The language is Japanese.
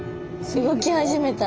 動き始めた。